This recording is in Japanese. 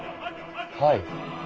はい。